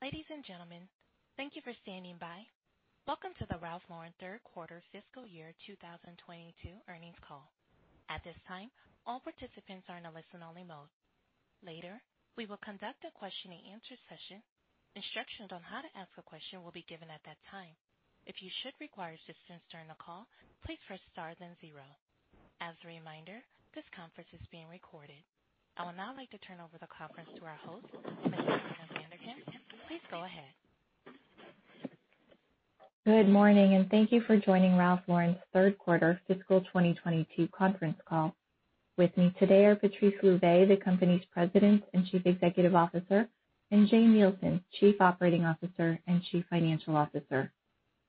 Ladies and gentlemen, thank you for standing by. Welcome to the Ralph Lauren Q3 fiscal year 2022 earnings call. At this time, all participants are in a listen-only mode. Later, we will conduct a question-and-answer session. Instructions on how to ask a question will be given at that time. If you should require assistance during the call, please press star then zero. As a reminder, this conference is being recorded. I would now like to turn over the conference to our host, Ms. Corinna Van der Ghinst. Please go ahead. Good morning, and thank you for joining Ralph Lauren's Q3 fiscal 2022 conference call. With me today are Patrice Louvet, the company's President and Chief Executive Officer, and Jane Nielsen, Chief Operating Officer and Chief Financial Officer.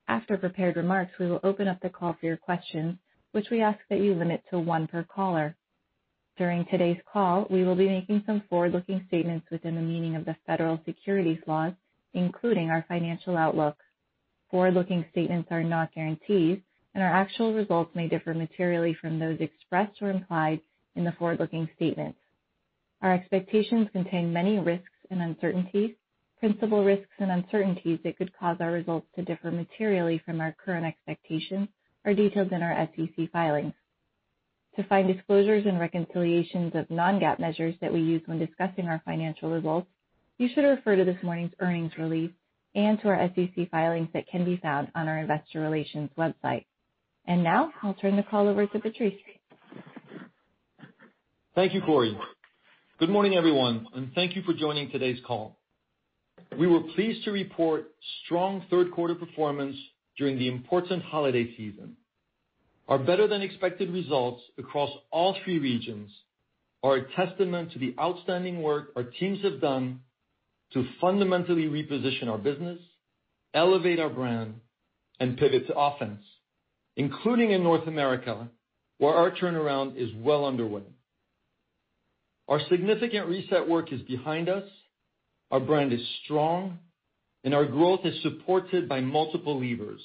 After prepared remarks, we will open up the call for your questions, which we ask that you limit to one per caller. During today's call, we will be making some forward-looking statements within the meaning of the federal securities laws, including our financial outlook. Forward-looking statements are not guarantees, and our actual results may differ materially from those expressed or implied in the forward-looking statements. Our expectations contain many risks and uncertainties. Principal risks and uncertainties that could cause our results to differ materially from our current expectations are detailed in our SEC filings. To find disclosures and reconciliations of non-GAAP measures that we use when discussing our financial results, you should refer to this morning's earnings release and to our SEC filings that can be found on our investor relations website. Now, I'll turn the call over to Patrice. Thank you, Corinna. Good morning, everyone, and thank you for joining today's call. We were pleased to report strong Q3 performance during the important holiday season. Our better-than-expected results across all three regions are a testament to the outstanding work our teams have done to fundamentally reposition our business, elevate our brand, and pivot to offense, including in North America, where our turnaround is well underway. Our significant reset work is behind us, our brand is strong, and our growth is supported by multiple levers,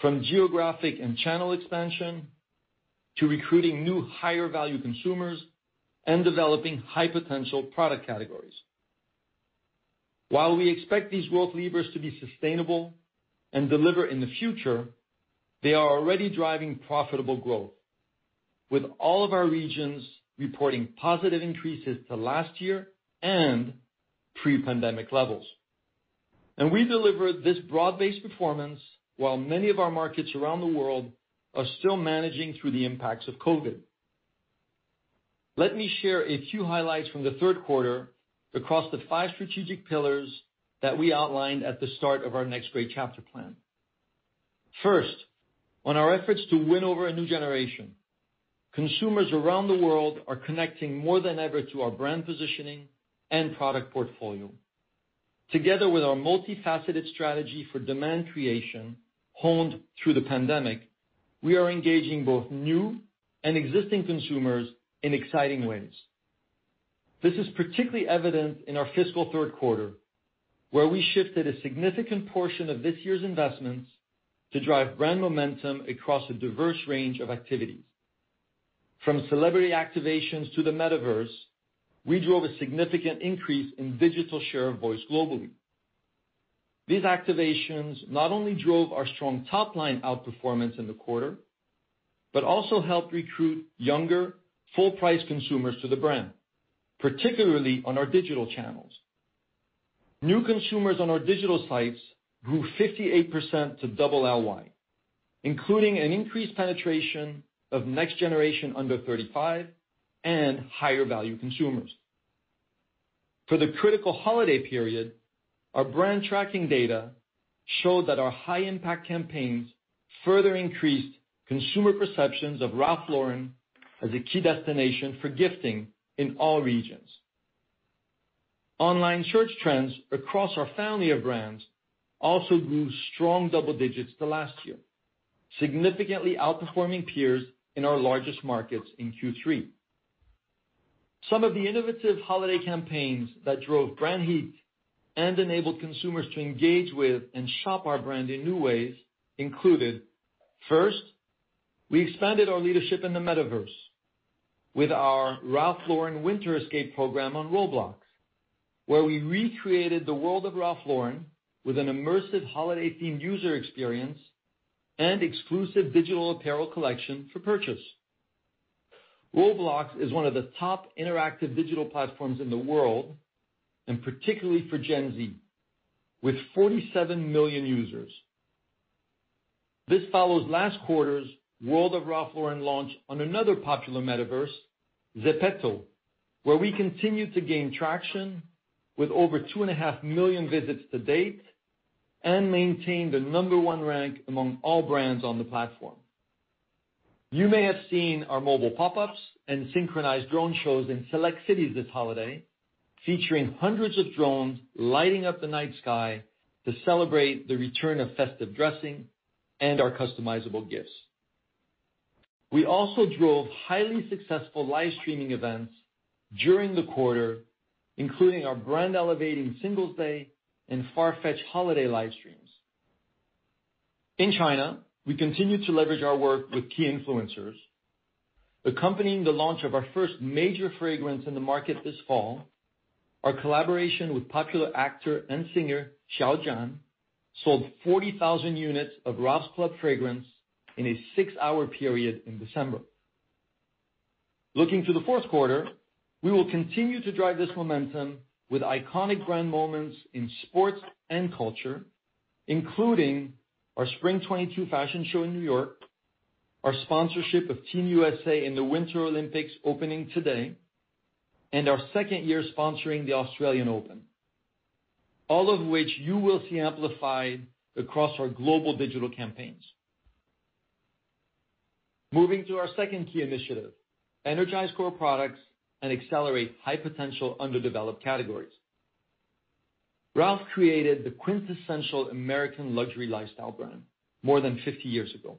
from geographic and channel expansion to recruiting new higher-value consumers and developing high-potential product categories. While we expect these growth levers to be sustainable and deliver in the future, they are already driving profitable growth, with all of our regions reporting positive increases to last year and pre-pandemic levels. We delivered this broad-based performance while many of our markets around the world are still managing through the impacts of COVID. Let me share a few highlights from the Q3 across the five strategic pillars that we outlined at the start of our Next Great Chapter plan. First, on our efforts to win over a new generation, consumers around the world are connecting more than ever to our brand positioning and product portfolio. Together with our multifaceted strategy for demand creation honed through the pandemic, we are engaging both new and existing consumers in exciting ways. This is particularly evident in our fiscal Q3, where we shifted a significant portion of this year's investments to drive brand momentum across a diverse range of activities. From celebrity activations to the metaverse, we drove a significant increase in digital share of voice globally. These activations not only drove our strong top-line outperformance in the quarter but also helped recruit younger, full-price consumers to the brand, particularly on our digital channels. New consumers on our digital sites grew 58% to double LY, including an increased penetration of next generation under 35 and higher-value consumers. For the critical holiday period, our brand tracking data showed that our high-impact campaigns further increased consumer perceptions of Ralph Lauren as a key destination for gifting in all regions. Online search trends across our family of brands also grew strong double digits to last year, significantly outperforming peers in our largest markets in Q3. Some of the innovative holiday campaigns that drove brand heat and enabled consumers to engage with and shop our brand in new ways included. First, we expanded our leadership in the metaverse with our Ralph Lauren Winter Escape program on Roblox, where we recreated the world of Ralph Lauren with an immersive holiday-themed user experience and exclusive digital apparel collection for purchase. Roblox is one of the top interactive digital platforms in the world, and particularly for Gen Z, with 47 million users. This follows last quarter's World of Ralph Lauren launch on another popular metaverse, Zepeto, where we continue to gain traction with over 2.5 million visits to date and maintain the number one rank among all brands on the platform. You may have seen our mobile pop-ups and synchronized drone shows in select cities this holiday, featuring hundreds of drones lighting up the night sky to celebrate the return of festive dressing and our customizable gifts. We also drove highly successful live streaming events during the quarter, including our brand-elevating Singles Day and Farfetch holiday live streams. In China, we continue to leverage our work with key influencers. Accompanying the launch of our first major fragrance in the market this fall, our collaboration with popular actor and singer Xiao Zhan sold 40,000 units of Ralph's Club fragrance in a six-hour period in December. Looking to the Q4, we will continue to drive this momentum with iconic grand moments in sports and culture, including our Spring 2022 fashion show in New York, our sponsorship of Team USA in the Winter Olympics opening today, and our second year sponsoring the Australian Open, all of which you will see amplified across our global digital campaigns. Moving to our second key initiative, energize core products and accelerate high-potential underdeveloped categories. Ralph created the quintessential American luxury lifestyle brand more than 50 years ago.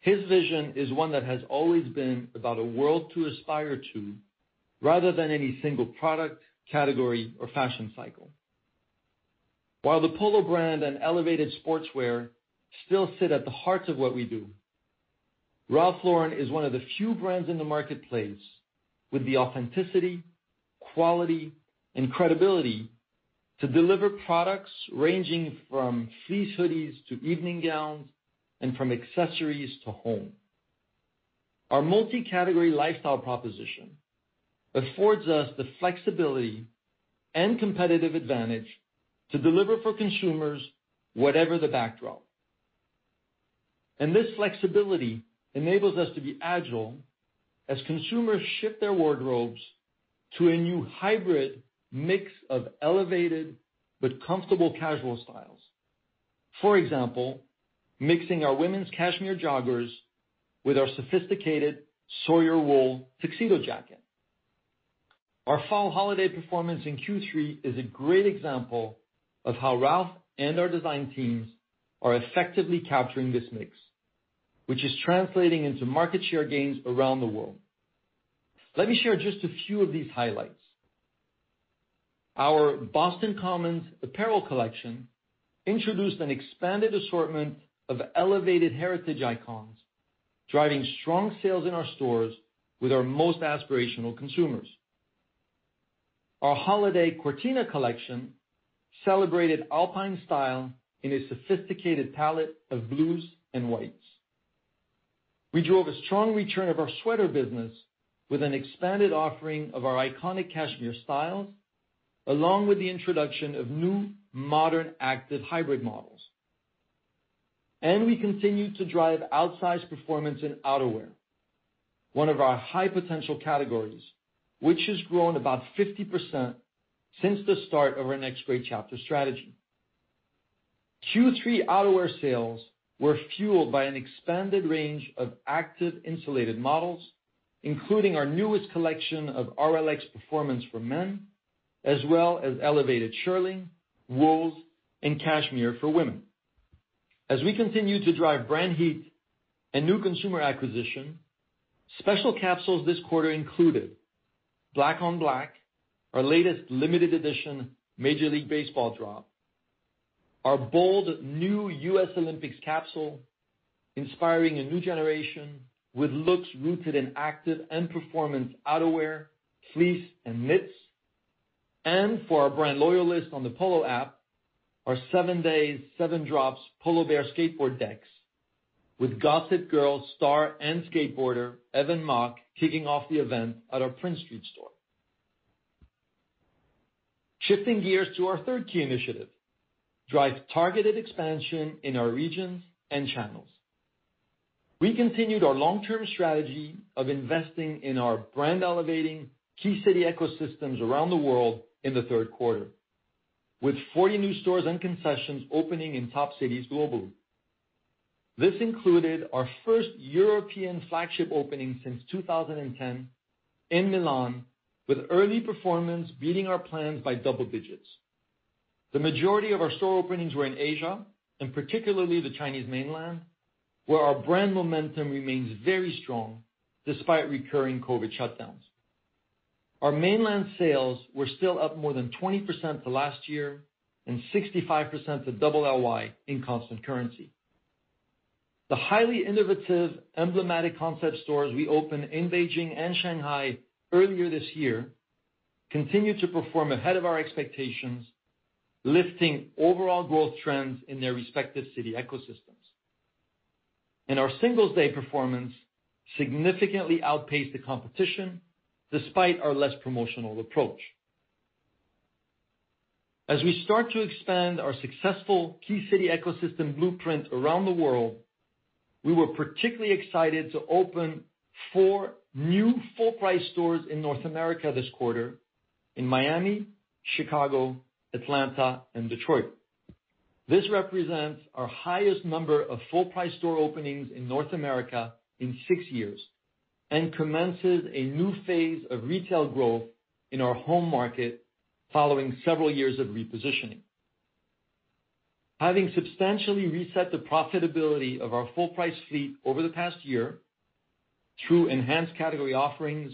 His vision is one that has always been about a world to aspire to rather than any single product, category, or fashion cycle. While the Polo brand and elevated sportswear still sit at the heart of what we do, Ralph Lauren is one of the few brands in the marketplace with the authenticity, quality, and credibility to deliver products ranging from fleece hoodies to evening gowns and from accessories to home. Our multi-category lifestyle proposition affords us the flexibility and competitive advantage to deliver for consumers whatever the backdrop. This flexibility enables us to be agile as consumers shift their wardrobes to a new hybrid mix of elevated but comfortable casual styles. For example, mixing our women's cashmere joggers with our sophisticated Sawyer Wool Tuxedo Jacket. Our fall holiday performance in Q3 is a great example of how Ralph and our design teams are effectively capturing this mix, which is translating into market share gains around the world. Let me share just a few of these highlights. Our Boston Common apparel collection introduced an expanded assortment of elevated heritage icons, driving strong sales in our stores with our most aspirational consumers. Our holiday Cortina collection celebrated alpine style in a sophisticated palette of blues and whites. We drove a strong return of our sweater business with an expanded offering of our iconic cashmere styles, along with the introduction of new modern active hybrid models. We continued to drive outsized performance in outerwear, one of our high-potential categories, which has grown about 50% since the start of our Next Great Chapter strategy. Q3 outerwear sales were fueled by an expanded range of active insulated models, including our newest collection of RLX performance for men, as well as elevated shearling, wools, and cashmere for women. As we continue to drive brand heat and new consumer acquisition, special capsules this quarter included Black on Black, our latest limited edition Major League Baseball drop, our bold new U.S. Olympics capsule, inspiring a new generation with looks rooted in active and performance outerwear, fleece, and mitts. For our brand loyalists on the Polo app, our seven days, seven drops Polo Bear skateboard decks, with Gossip Girl star and skateboarder Evan Mock kicking off the event at our Prince Street store. Shifting gears to our third key initiative, drive targeted expansion in our regions and channels. We continued our long-term strategy of investing in our brand-elevating key city ecosystems around the world in the Q3, with 40 new stores and concessions opening in top cities globally. This included our first European flagship opening since 2010 in Milan, with early performance beating our plans by double digits. The majority of our store openings were in Asia, and particularly the Chinese mainland, where our brand momentum remains very strong despite recurring COVID shutdowns. Our mainland sales were still up more than 20% to last year and 65% to double LY in constant currency. The highly innovative, emblematic concept stores we opened in Beijing and Shanghai earlier this year continue to perform ahead of our expectations, lifting overall growth trends in their respective city ecosystems. Our Singles Day performance significantly outpaced the competition despite our less promotional approach. As we start to expand our successful key city ecosystem blueprint around the world, we were particularly excited to open four new full-price stores in North America this quarter in Miami, Chicago, Atlanta, and Detroit. This represents our highest number of full-price store openings in North America in 6 years and commences a new phase of retail growth in our home market following several years of repositioning. Having substantially reset the profitability of our full-price fleet over the past year. Through enhanced category offerings,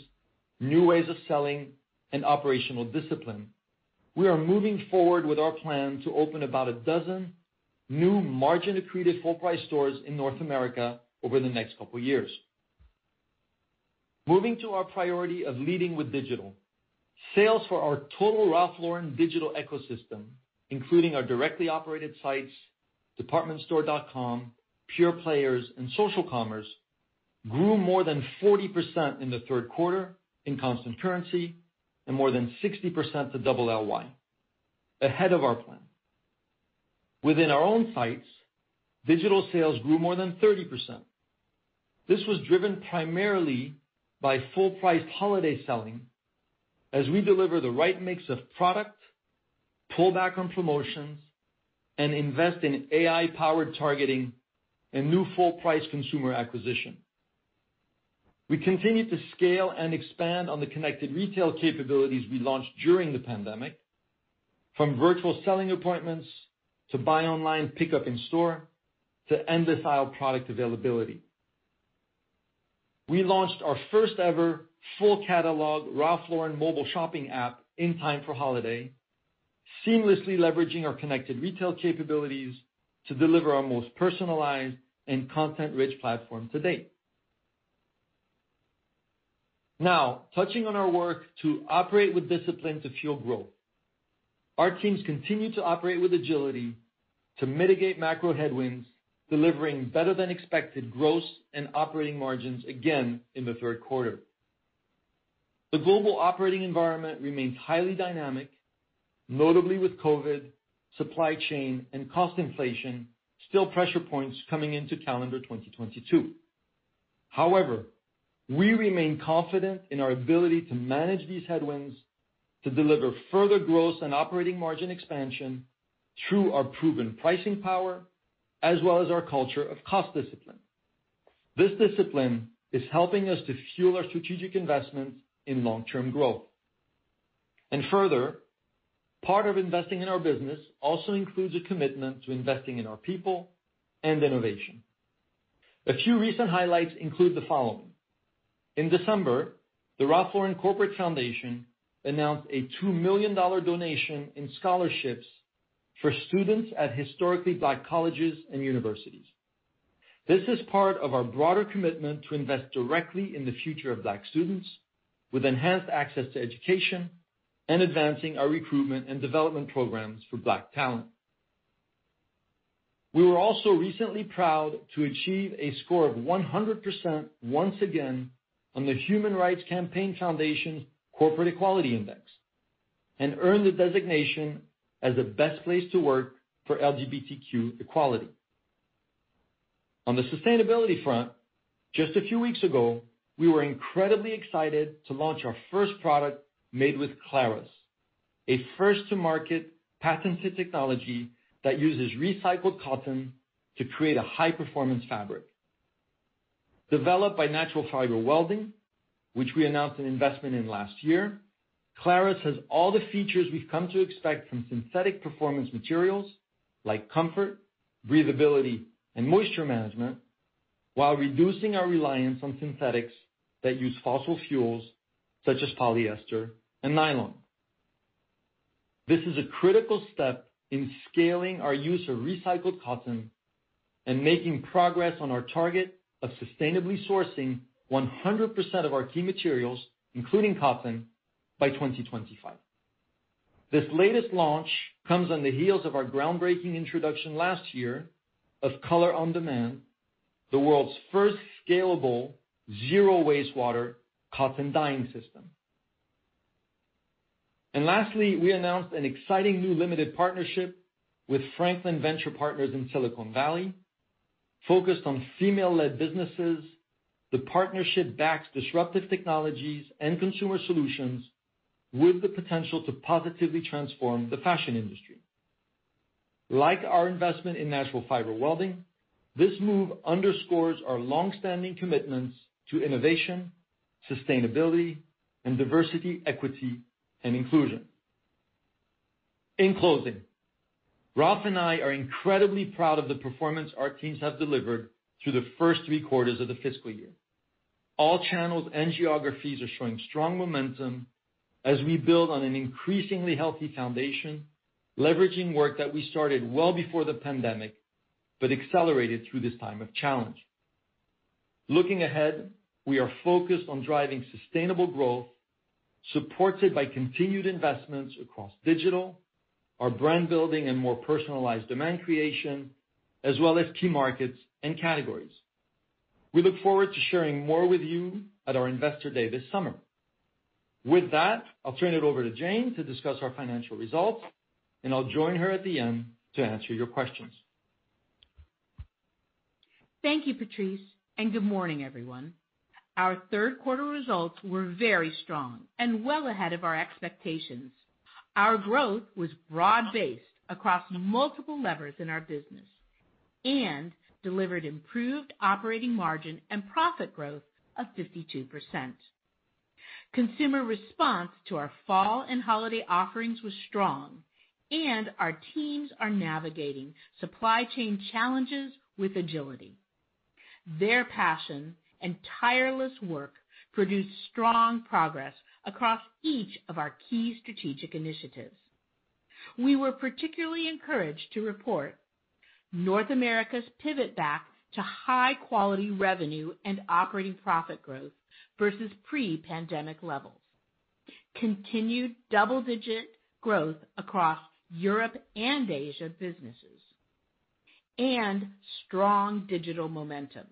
new ways of selling and operational discipline, we are moving forward with our plan to open about 12 new margin accretive full price stores in North America over the next couple years. Moving to our priority of leading with digital, sales for our total Ralph Lauren digital ecosystem, including our directly operated sites, department store.com, pure players and social commerce, grew more than 40% in the Q3 in constant currency, and more than 60% to double LY, ahead of our plan. Within our own sites, digital sales grew more than 30%. This was driven primarily by full-price holiday selling as we deliver the right mix of product, pull back on promotions and invest in AI powered targeting and new full-price consumer acquisition. We continue to scale and expand on the connected retail capabilities we launched during the pandemic, from virtual selling appointments to buy online, pickup in store, to end aisle product availability. We launched our first ever full catalog, Ralph Lauren mobile shopping app in time for holiday, seamlessly leveraging our connected retail capabilities to deliver our most personalized and content-rich platform to date. Now, touching on our work to operate with discipline to fuel growth. Our teams continue to operate with agility to mitigate macro headwinds, delivering better than expected gross and operating margins again in the Q3. The global operating environment remains highly dynamic, notably with COVID, supply chain and cost inflation, still pressure points coming into calendar 2022. However, we remain confident in our ability to manage these headwinds to deliver further gross and operating margin expansion through our proven pricing power, as well as our culture of cost discipline. This discipline is helping us to fuel our strategic investments in long-term growth. Further, part of investing in our business also includes a commitment to investing in our people and innovation. A few recent highlights include the following. In December, the Ralph Lauren Corporate Foundation announced a $2 million donation in scholarships for students at historically Black colleges and universities. This is part of our broader commitment to invest directly in the future of Black students with enhanced access to education and advancing our recruitment and development programs for Black talent. We were also recently proud to achieve a score of 100% once again on the Human Rights Campaign Foundation's Corporate Equality Index and earn the designation as the best place to work for LGBTQ equality. On the sustainability front, just a few weeks ago, we were incredibly excited to launch our first product made with Clarus, a first to market patented technology that uses recycled cotton to create a high-performance fabric. Developed by Natural Fiber Welding, which we announced an investment in last year, Clarus has all the features we've come to expect from synthetic performance materials like comfort, breathability, and moisture management, while reducing our reliance on synthetics that use fossil fuels such as polyester and nylon. This is a critical step in scaling our use of recycled cotton and making progress on our target of sustainably sourcing 100% of our key materials, including cotton, by 2025. This latest launch comes on the heels of our groundbreaking introduction last year of Color on Demand, the world's first scalable zero wastewater cotton dyeing system. Lastly, we announced an exciting new limited partnership with Franklin Venture Partners in Silicon Valley focused on female-led businesses. The partnership backs disruptive technologies and consumer solutions with the potential to positively transform the fashion industry. Like our investment in Natural Fiber Welding, this move underscores our long-standing commitments to innovation, sustainability, and diversity, equity and inclusion. In closing, Ralph and I are incredibly proud of the performance our teams have delivered through the first three quarters of the fiscal year. All channels and geographies are showing strong momentum as we build on an increasingly healthy foundation, leveraging work that we started well before the pandemic, but accelerated through this time of challenge. Looking ahead, we are focused on driving sustainable growth, supported by continued investments across digital, our brand building, and more personalized demand creation, as well as key markets and categories. We look forward to sharing more with you at our Investor Day this summer. With that, I'll turn it over to Jane to discuss our financial results, and I'll join her at the end to answer your questions. Thank you, Patrice, and good morning, everyone. Our Q3 results were very strong and well ahead of our expectations. Our growth was broad-based across multiple levers in our business and delivered improved operating margin and profit growth of 52%. Consumer response to our fall and holiday offerings was strong, and our teams are navigating supply chain challenges with agility. Their passion and tireless work produced strong progress across each of our key strategic initiatives. We were particularly encouraged to report North America's pivot back to high-quality revenue and operating profit growth versus pre-pandemic levels, continued double-digit growth across Europe and Asia businesses, and strong digital momentum,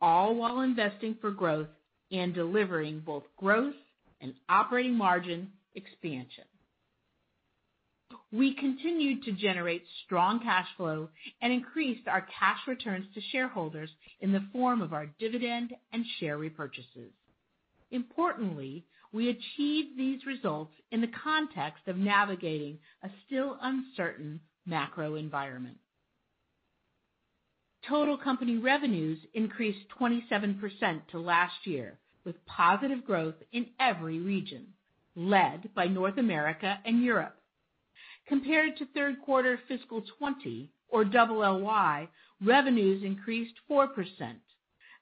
all while investing for growth and delivering both growth and operating margin expansion. We continued to generate strong cash flow and increased our cash returns to shareholders in the form of our dividend and share repurchases. Importantly, we achieved these results in the context of navigating a still uncertain macro environment. Total company revenues increased 27% to last year, with positive growth in every region, led by North America and Europe. Compared to Q3 fiscal 2020 or LLY, revenues increased 4%.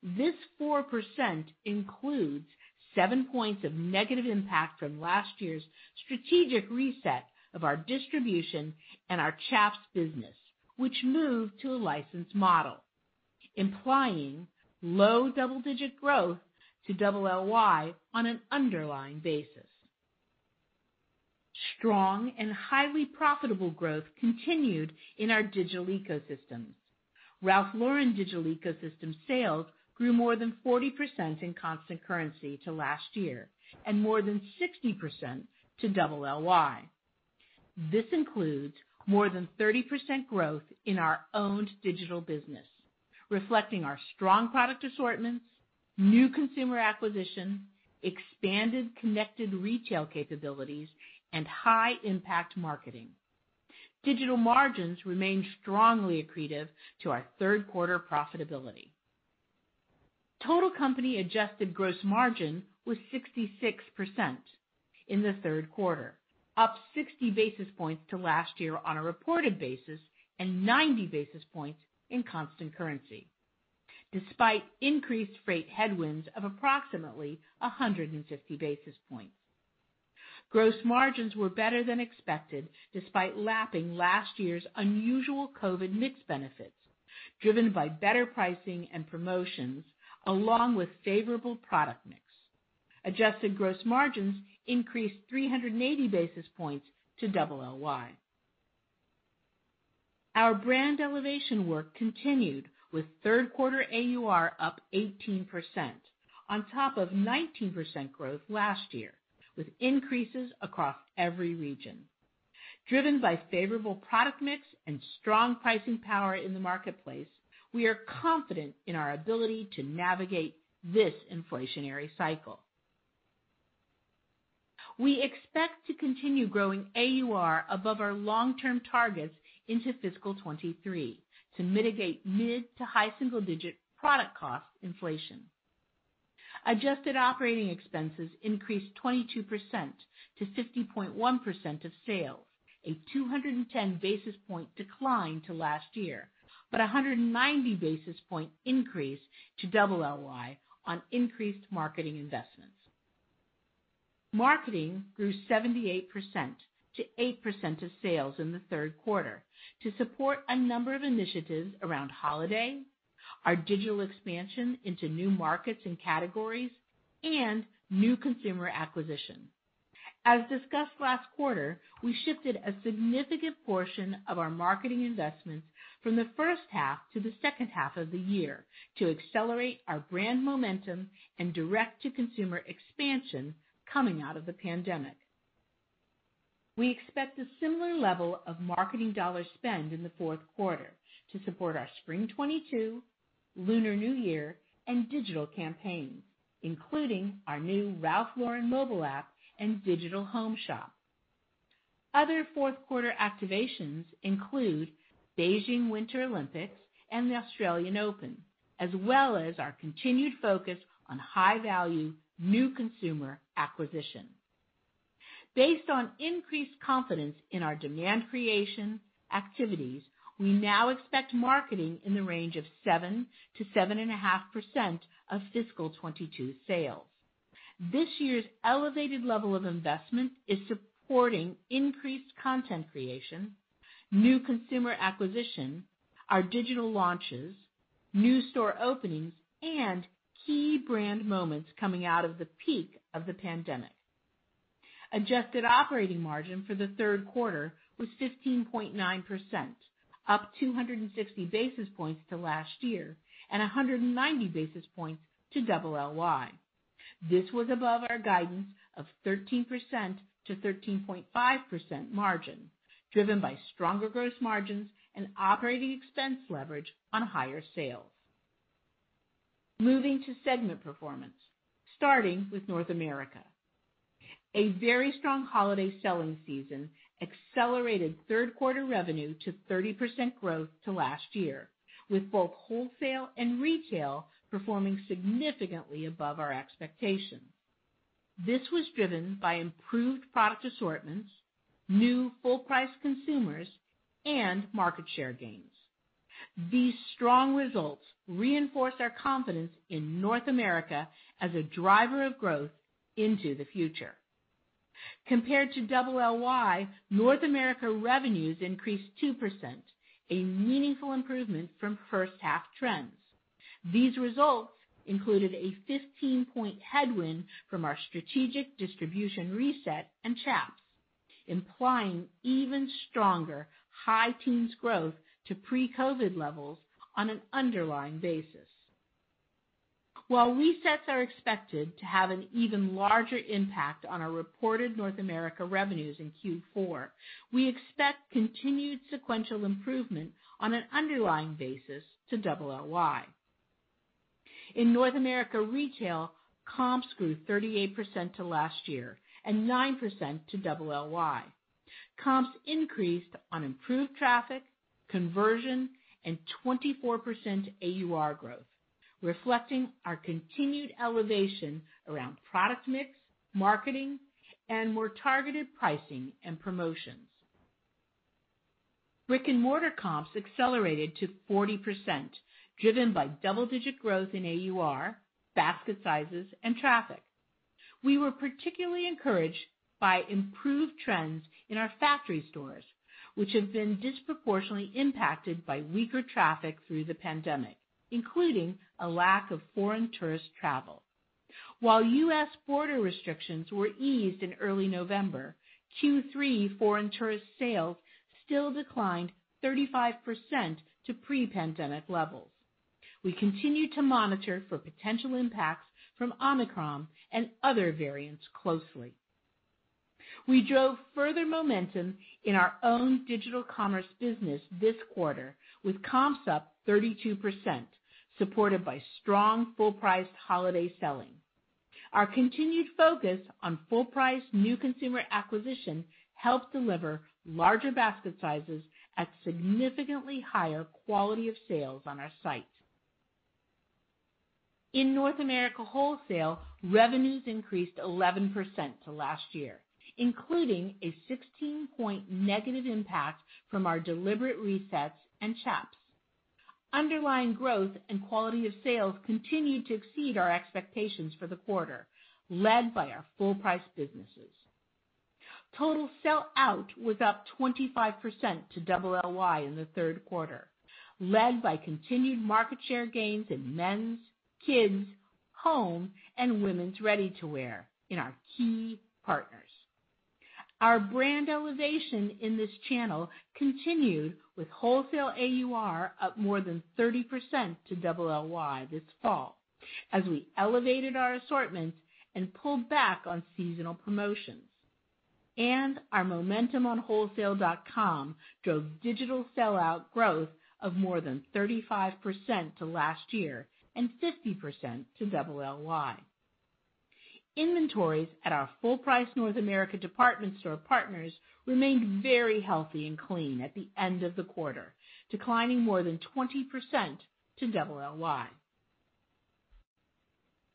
This 4% includes seven points of negative impact from last year's strategic reset of our distribution and our Chaps business, which moved to a licensed model, implying low double-digit growth to LLY on an underlying basis. Strong and highly profitable growth continued in our digital ecosystems. Ralph Lauren digital ecosystem sales grew more than 40% in constant currency to last year, and more than 60% to LLY. This includes more than 30% growth in our owned digital business, reflecting our strong product assortments, new consumer acquisition, expanded connected retail capabilities, and high-impact marketing. Digital margins remain strongly accretive to our Q3 profitability. Total company adjusted gross margin was 66% in the Q3, up 60 basis points to last year on a reported basis, and 90 basis points in constant currency, despite increased freight headwinds of approximately 150 basis points. Gross margins were better than expected, despite lapping last year's unusual COVID mix benefits driven by better pricing and promotions along with favorable product mix. Adjusted gross margins increased 380 basis points to LLY. Our brand elevation work continued with Q3 AUR up 18% on top of 19% growth last year, with increases across every region. Driven by favorable product mix and strong pricing power in the marketplace, we are confident in our ability to navigate this inflationary cycle. We expect to continue growing AUR above our long-term targets into fiscal 2023 to mitigate mid- to high single-digit product cost inflation. Adjusted operating expenses increased 22% to 50.1% of sales, a 210 basis points decline to last year, but a 190 basis points increase to LY on increased marketing investments. Marketing grew 78% - 80% of sales in the Q3 to support a number of initiatives around holiday, our digital expansion into new markets and categories, and new consumer acquisition. As discussed last quarter, we shifted a significant portion of our marketing investments from the H1 to the H2 of the year to accelerate our brand momentum and direct-to-consumer expansion coming out of the pandemic. We expect a similar level of marketing dollar spend in the Q4 to support our spring 2022, Lunar New Year, and digital campaigns, including our new Ralph Lauren mobile app and digital home shop. Other Q4 activations include Beijing Winter Olympics and the Australian Open, as well as our continued focus on high-value new consumer acquisition. Based on increased confidence in our demand creation activities, we now expect marketing in the range of 7%-7.5% of fiscal 2022 sales. This year's elevated level of investment is supporting increased content creation, new consumer acquisition, our digital launches, new store openings, and key brand moments coming out of the peak of the pandemic. Adjusted operating margin for the Q3 was 15.9%, up 260 basis points to last year, and 190 basis points to LY. This was above our guidance of 13%-13.5% margin driven by stronger gross margins and operating expense leverage on higher sales. Moving to segment performance, starting with North America. A very strong holiday selling season accelerated Q3 revenue to 30% growth to last year, with both wholesale and retail performing significantly above our expectations. This was driven by improved product assortments, new full-price consumers, and market share gains. These strong results reinforce our confidence in North America as a driver of growth into the future. Compared to LY, North America revenues increased 2%, a meaningful improvement from H1 trends. These results included a 15-point headwind from our strategic distribution reset and Chaps, implying even stronger high teens growth to pre-COVID levels on an underlying basis. While resets are expected to have an even larger impact on our reported North America revenues in Q4, we expect continued sequential improvement on an underlying basis to LLY. In North America retail, comps grew 38% to last year and 9% to LLY. Comps increased on improved traffic, conversion, and 24% AUR growth, reflecting our continued elevation around product mix, marketing, and more targeted pricing and promotions. Brick-and-mortar comps accelerated to 40%, driven by double-digit growth in AUR, basket sizes, and traffic. We were particularly encouraged by improved trends in our factory stores, which have been disproportionately impacted by weaker traffic through the pandemic, including a lack of foreign tourist travel. While U.S. border restrictions were eased in early November, Q3 foreign tourist sales still declined 35% to pre-pandemic levels. We continue to monitor for potential impacts from Omicron and other variants closely. We drove further momentum in our own digital commerce business this quarter with comps up 32%, supported by strong full-priced holiday selling. Our continued focus on full-priced new consumer acquisition helped deliver larger basket sizes at significantly higher quality of sales on our site. In North America wholesale, revenues increased 11% to last year, including a 16-point negative impact from our deliberate resets and Chaps. Underlying growth and quality of sales continued to exceed our expectations for the quarter, led by our full-price businesses. Total sell out was up 25% to LY in the Q3, led by continued market share gains in men's, kids, home, and women's ready-to-wear in our key partners. Our brand elevation in this channel continued with wholesale AUR up more than 30% to LY this fall as we elevated our assortments and pulled back on seasonal promotions. Our momentum on wholesale.com drove digital sellout growth of more than 35% to last year and 50% to LY. Inventories at our full-price North America department store partners remained very healthy and clean at the end of the quarter, declining more than 20% to LY.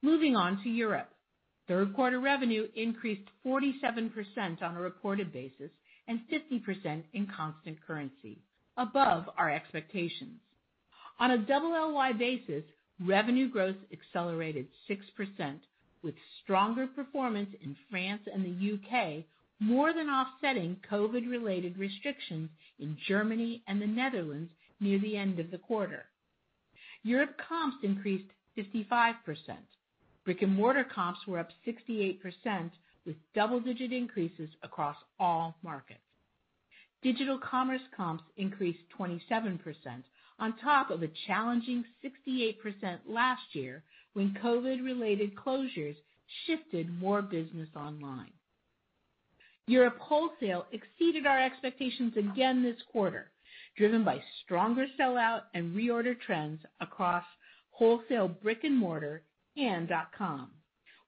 Moving on to Europe. Q3 revenue increased 47% on a reported basis and 50% in constant currency, above our expectations. On a LY basis, revenue growth accelerated 6%, with stronger performance in France and the U.K. more than offsetting COVID-related restrictions in Germany and the Netherlands near the end of the quarter. Europe comps increased 55%. Brick-and-mortar comps were up 68%, with double-digit increases across all markets. Digital commerce comps increased 27% on top of a challenging 68% last year when COVID-related closures shifted more business online. Europe wholesale exceeded our expectations again this quarter, driven by stronger sellout and reorder trends across wholesale brick-and-mortar and dot-com.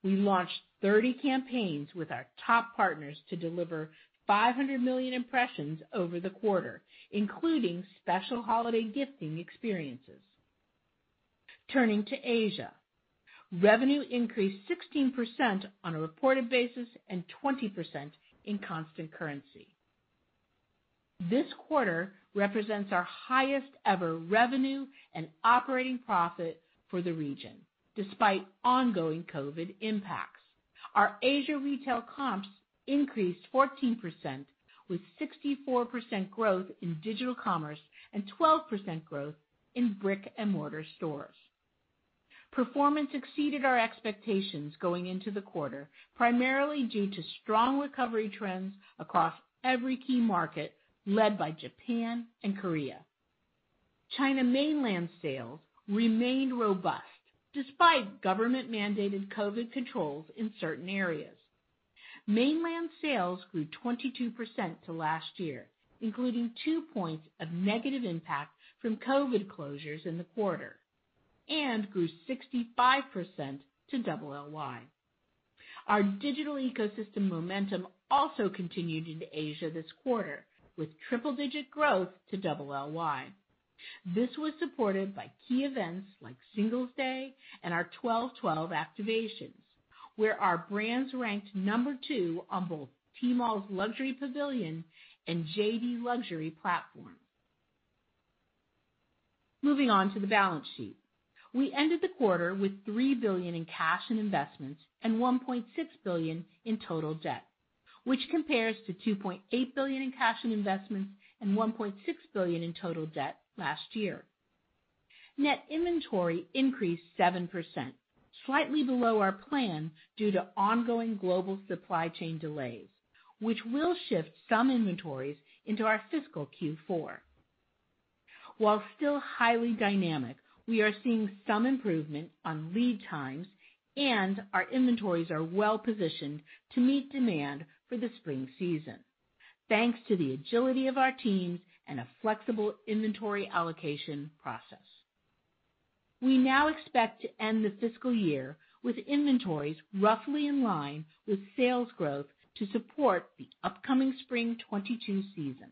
We launched 30 campaigns with our top partners to deliver 500 million impressions over the quarter, including special holiday gifting experiences. Turning to Asia. Revenue increased 16% on a reported basis and 20% in constant currency. This quarter represents our highest ever revenue and operating profit for the region, despite ongoing COVID impacts. Our Asia retail comps increased 14% with 64% growth in digital commerce and 12% growth in brick-and-mortar stores. Performance exceeded our expectations going into the quarter, primarily due to strong recovery trends across every key market, led by Japan and Korea. China mainland sales remained robust despite government-mandated COVID controls in certain areas. Net sales grew 22% to last year, including two points of negative impact from COVID closures in the quarter and grew 65% to double LY. Our digital ecosystem momentum also continued into Asia this quarter, with triple-digit growth to double LY. This was supported by key events like Singles Day and our 12.12 activations, where our brands ranked number two on both Tmall's Luxury Pavilion and JD luxury platform. Moving on to the balance sheet. We ended the quarter with $3 billion in cash and investments and $1.6 billion in total debt, which compares to $2.8 billion in cash and investments and $1.6 billion in total debt last year. Net inventory increased 7%, slightly below our plan due to ongoing global supply chain delays, which will shift some inventories into our fiscal Q4. While still highly dynamic, we are seeing some improvement on lead times, and our inventories are well-positioned to meet demand for the spring season, thanks to the agility of our teams and a flexible inventory allocation process. We now expect to end the fiscal year with inventories roughly in line with sales growth to support the upcoming spring 2022 season.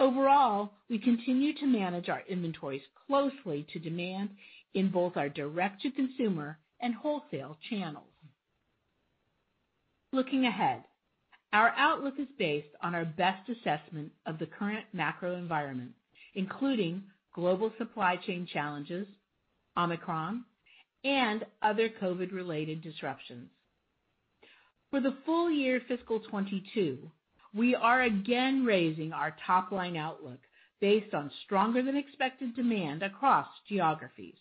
Overall, we continue to manage our inventories closely to demand in both our direct-to-consumer and wholesale channels. Looking ahead, our outlook is based on our best assessment of the current macro environment, including global supply chain challenges, Omicron, and other COVID-related disruptions. For the full year fiscal 2022, we are again raising our top-line outlook based on stronger than expected demand across geographies.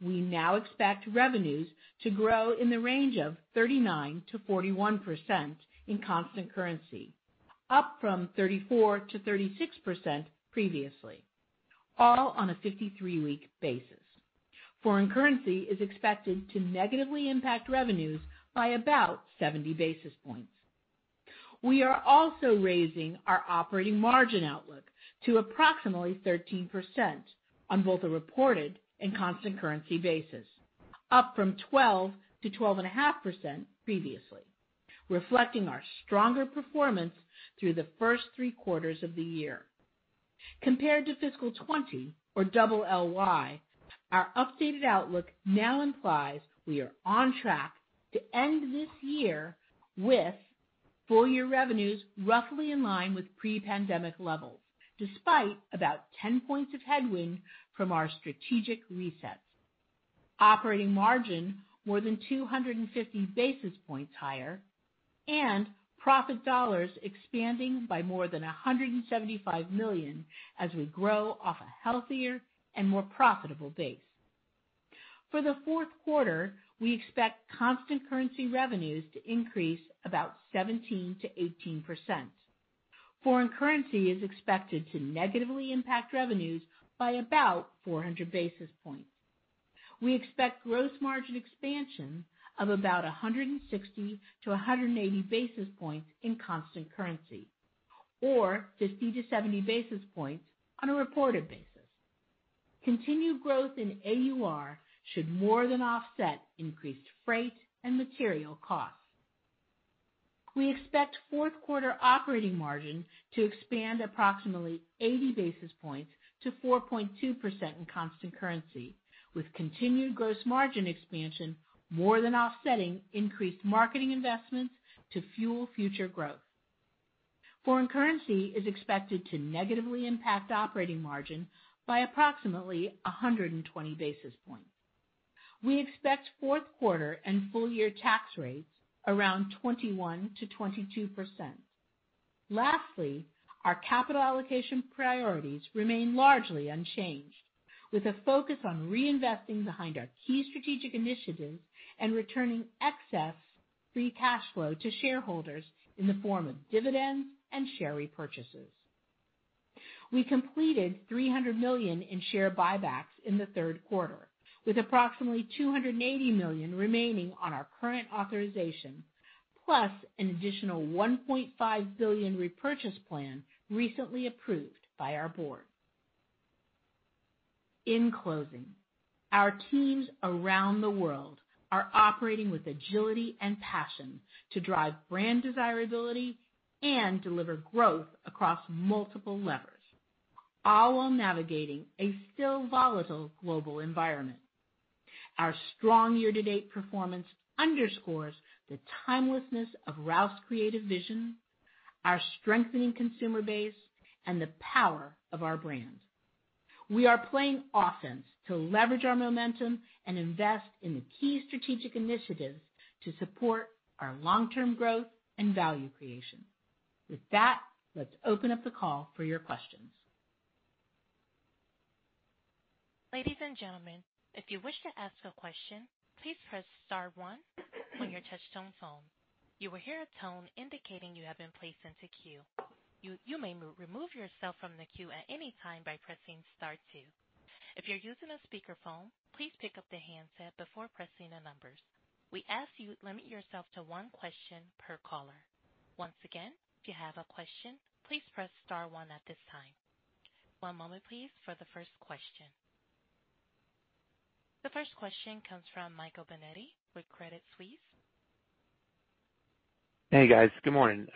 We now expect revenues to grow in the range of 39%-41% in constant currency, up from 34%-36% previously, all on a 53-week basis. Foreign currency is expected to negatively impact revenues by about 70-basis points. We are also raising our operating margin outlook to approximately 13% on both a reported and constant currency basis, up from 12%-12.5% previously, reflecting our stronger performance through the first three quarters of the year. Compared to FY 2020 or double LY, our updated outlook now implies we are on track to end this year with full year revenues roughly in line with pre-pandemic levels, despite about 10 points of headwind from our strategic resets. Operating margin more than 250-basis points higher and profit dollars expanding by more than $175 million as we grow off a healthier and more profitable base. For the Q4, we expect constant currency revenues to increase about 17%-18%. Foreign currency is expected to negatively impact revenues by about 400-basis points. We expect gross margin expansion of about 160-180-basis points in constant currency, or 50-70-basis points on a reported basis. Continued growth in AUR should more than offset increased freight and material costs. We expect Q4 operating margin to expand approximately 80 basis points to 4.2% in constant currency, with continued gross margin expansion more than offsetting increased marketing investments to fuel future growth. Foreign currency is expected to negatively impact operating margin by approximately 120-basis points. We expect Q4 and full year tax rates around 21%-22%. Lastly, our capital allocation priorities remain largely unchanged, with a focus on reinvesting behind our key strategic initiatives and returning excess free cash flow to shareholders in the form of dividends and share repurchases. We completed $300 million in share buybacks in the Q3, with approximately $280 million remaining on our current authorization, plus an additional $1.5 billion repurchase plan recently approved by our board. In closing, our teams around the world are operating with agility and passion to drive brand desirability and deliver growth across multiple levers, all while navigating a still volatile global environment. Our strong year-to-date performance underscores the timelessness of Ralph's creative vision, our strengthening consumer base, and the power of our brand. We are playing offense to leverage our momentum and invest in the key strategic initiatives to support our long-term growth and value creation. With that, let's open up the call for your questions. Ladies and gentlemen, if you wish to ask a question, please press star one on your touch-tone phone. You will hear a tone indicating you have been placed in the queue. You may remove yourself from the queue at any time by pressing star two. If you're using a speakerphone, please pick up the handset before pressing the numbers. We ask you to limit yourself to one question per caller. Once again, if you have a question, please press star one at this time. One moment please for the first question. The first question comes from Michael Binetti with Credit Suisse. Hey, guys. Good morning.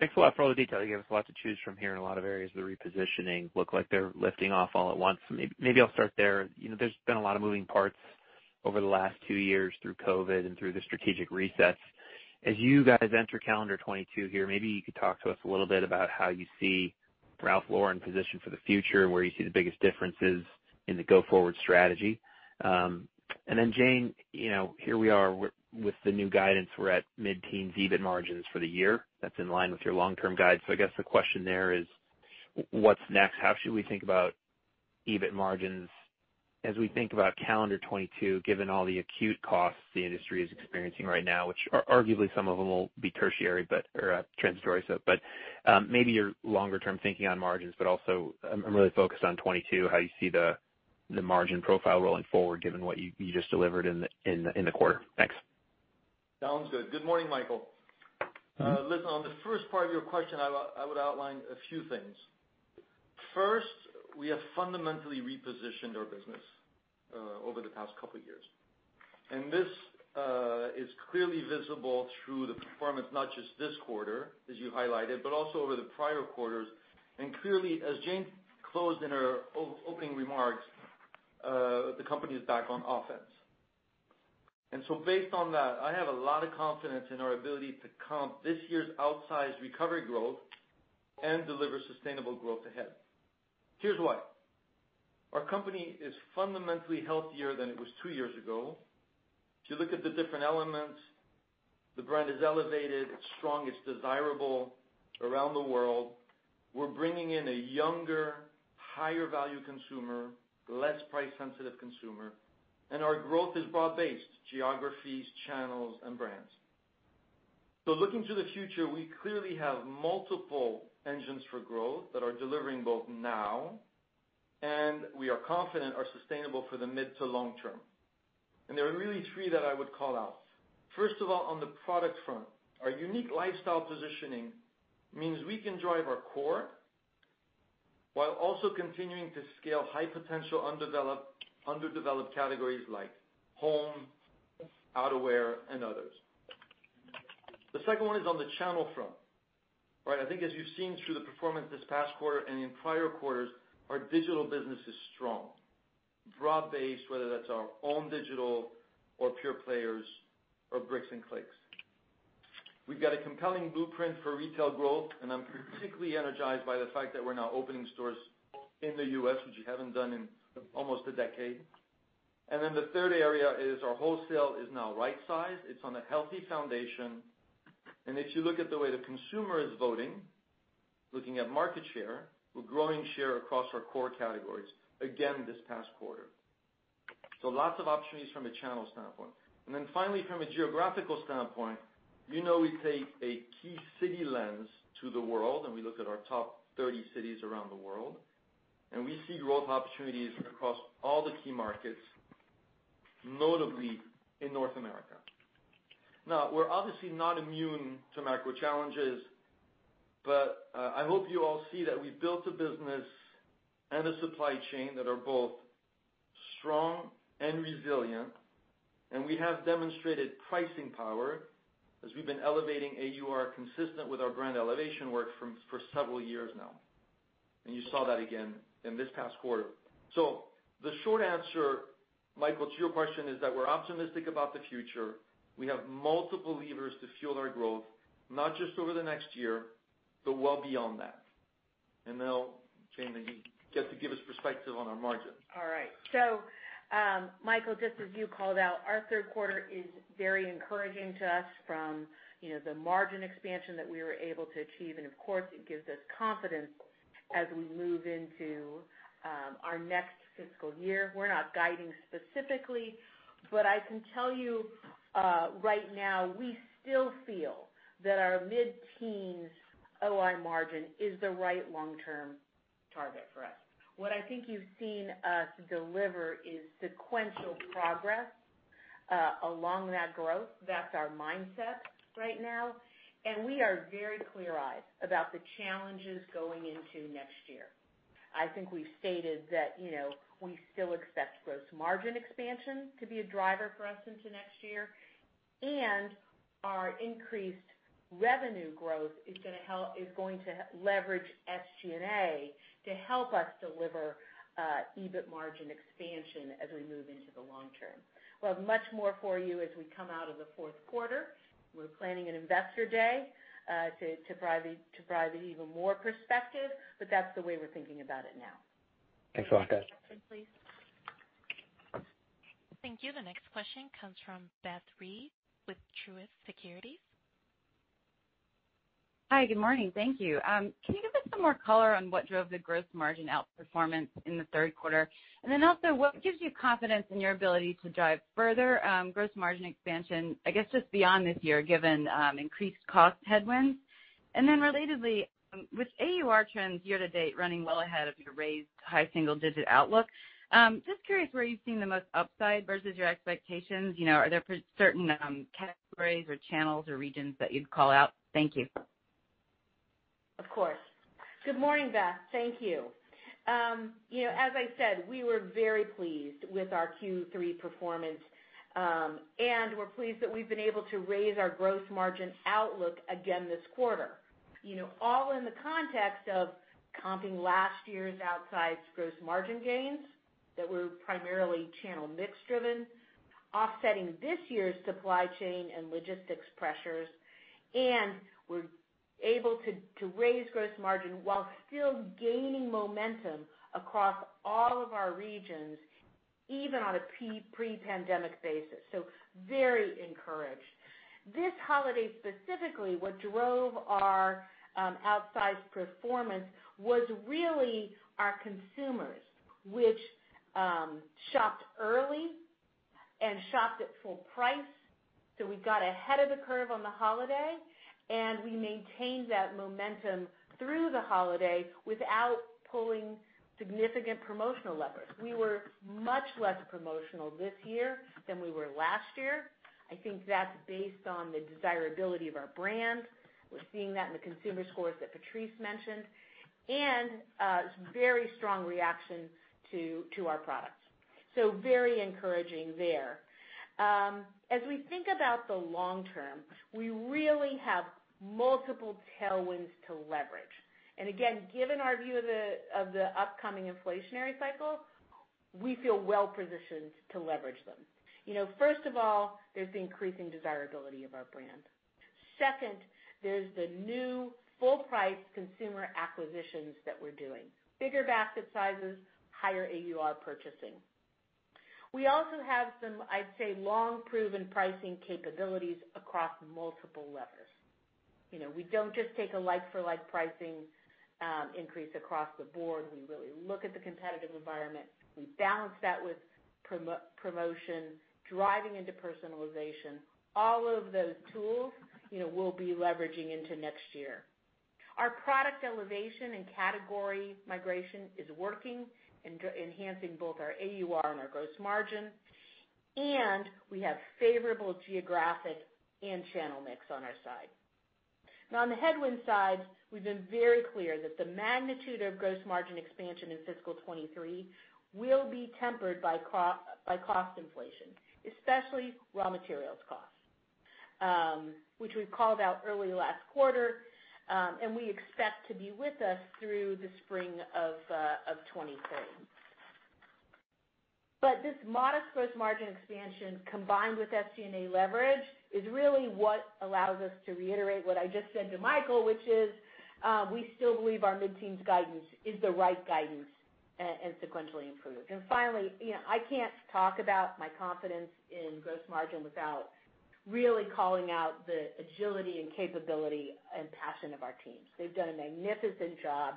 Thanks a lot for all the detail. You gave us a lot to choose from here in a lot of areas. The repositioning look like they're lifting off all at once. Maybe I'll start there. You know, there's been a lot of moving parts over the last two years through COVID and through the strategic resets. As you guys enter calendar 2022 here, maybe you could talk to us a little bit about how you see Ralph Lauren positioned for the future and where you see the biggest differences in the go-forward strategy. Then, Jane, you know, here we are with the new guidance. We're at mid-teens EBIT margins for the year. That's in line with your long-term guide. I guess the question there is, what's next? How should we think about EBIT margins as we think about calendar 2022, given all the acute costs the industry is experiencing right now, which arguably some of them will be temporary or transitory, maybe your longer term thinking on margins, but also, I'm really focused on 2022, how you see the margin profile rolling forward given what you just delivered in the quarter. Thanks. Sounds good. Good morning, Michael. Listen, on the first part of your question, I would outline a few things. First, we have fundamentally repositioned our business over the past couple years. This is clearly visible through the performance, not just this quarter, as you highlighted, but also over the prior quarters. Clearly, as Jane closed in her opening remarks, the company is back on offense. Based on that, I have a lot of confidence in our ability to comp this year's outsized recovery growth and deliver sustainable growth ahead. Here's why. Our company is fundamentally healthier than it was two years ago. If you look at the different elements, the brand is elevated, it's strong, it's desirable around the world. We're bringing in a younger, higher value consumer, less price-sensitive consumer, and our growth is broad-based. Geographies, channels, and brands. Looking to the future, we clearly have multiple engines for growth that are delivering both now and we are confident are sustainable for the mid to long term. There are really three that I would call out. First of all, on the product front, our unique lifestyle positioning means we can drive our core while also continuing to scale high potential underdeveloped categories like home, outerwear, and others. The second one is on the channel front, right? I think as you've seen through the performance this past quarter and in prior quarters, our digital business is strong. Broad-based, whether that's our own digital or pure players or bricks and clicks. We've got a compelling blueprint for retail growth, and I'm particularly energized by the fact that we're now opening stores in the U.S., which we haven't done in almost a decade. Then the third area is our wholesale is now right-sized. It's on a healthy foundation. If you look at the way the consumer is voting, looking at market share, we're growing share across our core categories, again, this past quarter. Lots of opportunities from a channel standpoint. Then finally, from a geographical standpoint, you know we take a key city lens to the world, and we look at our top 30 cities around the world, and we see growth opportunities across all the key markets, notably in North America. Now, we're obviously not immune to macro challenges, but, I hope you all see that we've built a business and a supply chain that are both strong and resilient, and we have demonstrated pricing power as we've been elevating AUR consistent with our brand elevation work for several years now. You saw that again in this past quarter. The short answer, Michael, to your question is that we're optimistic about the future. We have multiple levers to fuel our growth, not just over the next year, but well beyond that. Now, Jane, then you get to give us perspective on our margins. All right. Michael, just as you called out, our Q3 is very encouraging to us from, you know, the margin expansion that we were able to achieve, and of course, it gives us confidence as we move into our next fiscal year. We're not guiding specifically, but I can tell you, right now, we still feel that our mid-teens OI margin is the right long-term target for us. What I think you've seen us deliver is sequential progress along that growth. That's our mindset right now. We are very clear-eyed about the challenges going into next year. I think we've stated that, you know, we still expect gross margin expansion to be a driver for us into next year, and our increased revenue growth is going to leverage SG&A to help us deliver EBIT margin expansion as we move into the long term. We'll have much more for you as we come out of the Q4. We're planning an investor day to provide even more perspective, but that's the way we're thinking about it now. Thanks a lot, guys. Please. Thank you. The next question comes from Bob Drbul with Truist Securities. Hi, good morning. Thank you. Can you give us some more color on what drove the gross margin outperformance in the Q3? Then also, what gives you confidence in your ability to drive further gross margin expansion, I guess, just beyond this year, given increased cost headwinds? Relatedly, with AUR trends year to date running well ahead of your raised high single digit outlook, just curious where you're seeing the most upside versus your expectations. You know, are there certain categories or channels or regions that you'd call out? Thank you. Of course. Good morning, Bob. Thank you. You know, as I said, we were very pleased with our Q3 performance, and we're pleased that we've been able to raise our gross margin outlook again this quarter. You know, all in the context of comping last year's outsized gross margin gains that were primarily channel mix driven, offsetting this year's supply chain and logistics pressures, and we're able to raise gross margin while still gaining momentum across all of our regions, even on a pre-pandemic basis. Very encouraged. This holiday, specifically, what drove our outsized performance was really our consumers, which shopped early and shopped at full price. We got ahead of the curve on the holiday, and we maintained that momentum through the holiday without pulling significant promotional levers. We were much less promotional this year than we were last year. I think that's based on the desirability of our brand. We're seeing that in the consumer scores that Patrice mentioned, and very strong reaction to our products. Very encouraging there. As we think about the long term, we really have multiple tailwinds to leverage. Again, given our view of the upcoming inflationary cycle, we feel well positioned to leverage them. You know, first of all, there's the increasing desirability of our brand. Second, there's the new full price consumer acquisitions that we're doing. Bigger basket sizes, higher AUR purchasing. We also have some, I'd say, long proven pricing capabilities across multiple levers. You know, we don't just take a like for like pricing increase across the board. We really look at the competitive environment. We balance that with promotion, driving into personalization. All of those tools, you know, we'll be leveraging into next year. Our product elevation and category migration is working, enhancing both our AUR and our gross margin, and we have favorable geographic and channel mix on our side. Now, on the headwind side, we've been very clear that the magnitude of gross margin expansion in fiscal 2023 will be tempered by cost inflation, especially raw materials costs, which we've called out early last quarter, and we expect to be with us through the spring of 2023. This modest gross margin expansion, combined with SG&A leverage, is really what allows us to reiterate what I just said to Michael, which is, we still believe our mid-teens guidance is the right guidance and sequentially improved. Finally, you know, I can't talk about my confidence in gross margin without really calling out the agility and capability and passion of our teams. They've done a magnificent job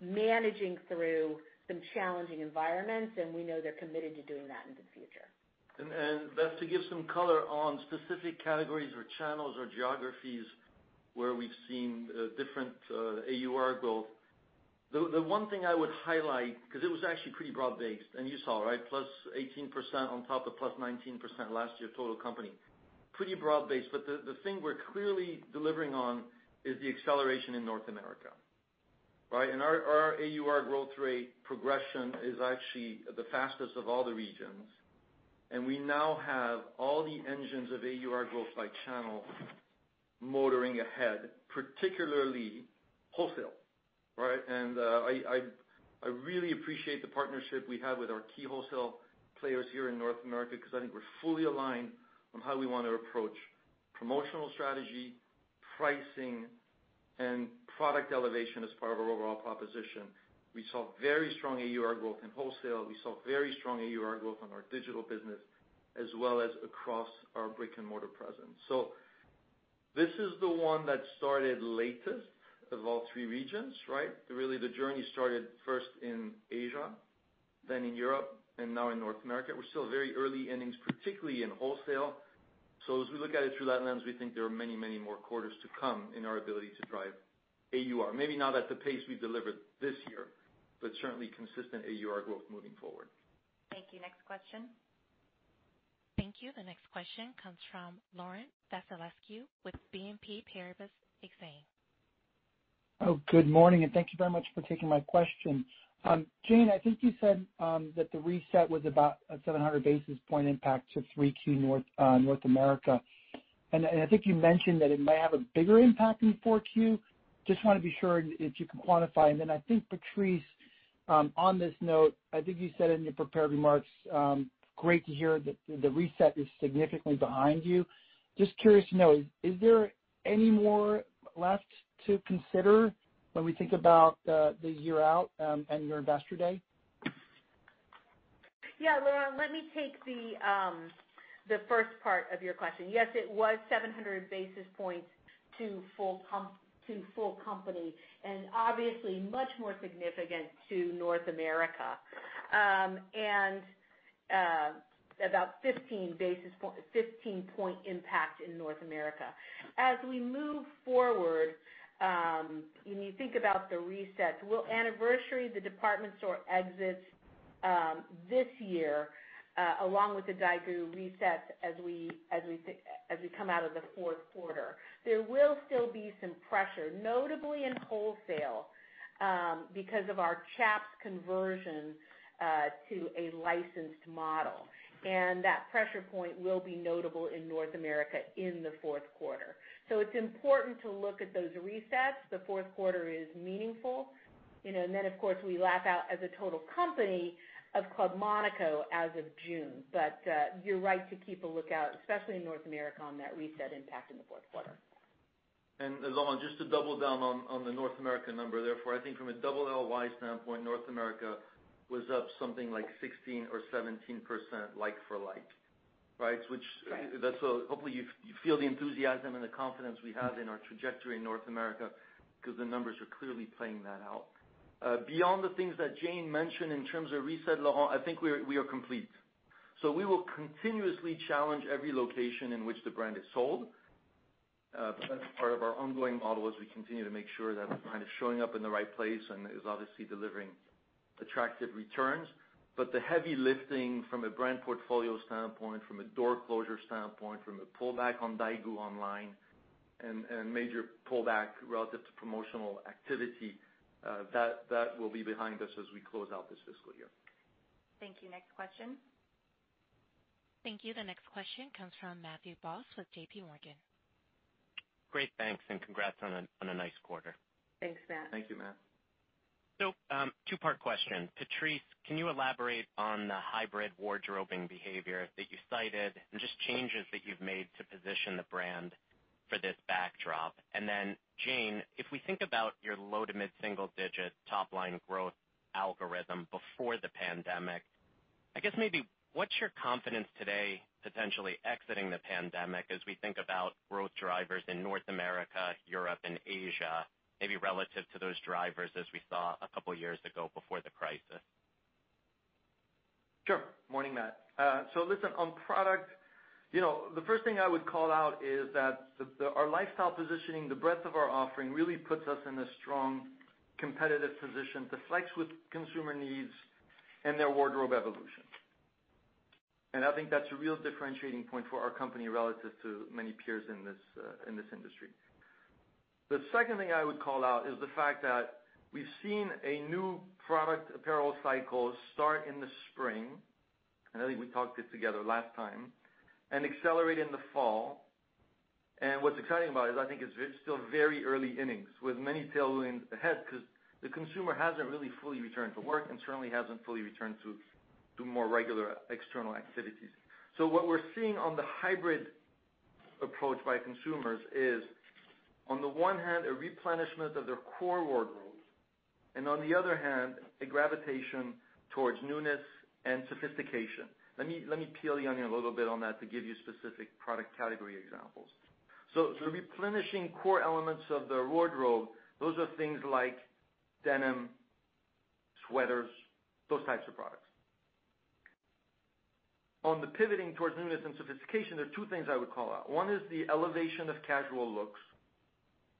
managing through some challenging environments, and we know they're committed to doing that into the future. Bob, to give some color on specific categories or channels or geographies where we've seen different AUR growth. The one thing I would highlight, because it was actually pretty broad-based, and you saw, right, +18% on top of +19% last year total company. Pretty broad-based, but the thing we're clearly delivering on is the acceleration in North America, right? Our AUR growth rate progression is actually the fastest of all the regions, and we now have all the engines of AUR growth by channel motoring ahead, particularly wholesale, right? I really appreciate the partnership we have with our key wholesale players here in North America because I think we're fully aligned on how we want to approach promotional strategy, pricing, and product elevation as part of our overall proposition. We saw very strong AUR growth in wholesale. We saw very strong AUR growth on our digital business as well as across our brick-and-mortar presence. This is the one that started latest of all three regions, right? Really, the journey started first in Asia, then in Europe, and now in North America. We're still very early innings, particularly in wholesale. As we look at it through that lens, we think there are many, many more quarters to come in our ability to drive AUR. Maybe not at the pace we delivered this year, but certainly consistent AUR growth moving forward. Thank you. Next question. Thank you. The next question comes from Laurent Vasilescu with BNP Paribas Exane. Oh, good morning, and thank you very much for taking my question. Jane, I think you said that the reset was about 700 basis points impact to 3Q North America. I think you mentioned that it might have a bigger impact in 4Q. Just want to be sure if you can quantify. Then I think, Patrice, on this note, I think you said in your prepared remarks, great to hear that the reset is significantly behind you. Just curious to know, is there any more left to consider when we think about the year out, and your Investor Day? Yeah, Laurent, let me take the first part of your question. Yes, it was 700-basis points to full company, and obviously much more significant to North America. About 15-point impact in North America. As we move forward, when you think about the resets, we'll anniversary the department store exits this year along with the daigou reset as we come out of the Q4. There will still be some pressure, notably in wholesale, because of our Chaps conversion to a licensed model. That pressure point will be notable in North America in the Q4. It's important to look at those resets. The Q4 is meaningful, you know, and then of course, we lap out as a total company of Club Monaco as of June. You're right to keep a lookout, especially in North America, on that reset impact in the Q4. Laurent Vasilescu, just to double down on the North America number, therefore, I think from a double LY standpoint, North America was up something like 16% or 17% like-for-like, right? Which- Right. Hopefully you feel the enthusiasm and the confidence we have in our trajectory in North America because the numbers are clearly playing that out. Beyond the things that Jane mentioned in terms of reset, Laurent, I think we are complete. We will continuously challenge every location in which the brand is sold, but that's part of our ongoing model as we continue to make sure that it's kind of showing up in the right place and is obviously delivering attractive returns. The heavy lifting from a brand portfolio standpoint, from a door closure standpoint, from a pullback on daigou online and major pullback relative to promotional activity, that will be behind us as we close out this fiscal year. Thank you. Next question. Thank you. The next question comes from Matthew Boss with J.P. Morgan. Great. Thanks, and congrats on a nice quarter. Thanks, Matt. Thank you, Matt. Two-part question. Patrice, can you elaborate on the hybrid wardrobing behavior that you cited and just changes that you've made to position the brand for this backdrop? Jane, if we think about your low to mid-single digit top line growth algorithm before the pandemic, I guess maybe what's your confidence today potentially exiting the pandemic as we think about growth drivers in North America, Europe and Asia, maybe relative to those drivers as we saw a couple years ago before the crisis? Morning, Matt. Listen, on product, you know, the first thing I would call out is that our lifestyle positioning, the breadth of our offering really puts us in a strong competitive position to flex with consumer needs and their wardrobe evolution. I think that's a real differentiating point for our company relative to many peers in this industry. The second thing I would call out is the fact that we've seen a new product apparel cycle start in the spring, and I think we talked about it last time, and accelerate in the fall. What's exciting about it is I think it's still very early innings with many tailwinds ahead because the consumer hasn't really fully returned to work and certainly hasn't fully returned to more regular external activities. What we're seeing on the hybrid approach by consumers is, on the one hand, a replenishment of their core wardrobe, and on the other hand, a gravitation towards newness and sophistication. Let me peel the onion a little bit on that to give you specific product category examples. Replenishing core elements of the wardrobe, those are things like denim, sweaters, those types of products. On the pivoting towards newness and sophistication, there are two things I would call out. One is the elevation of casual looks,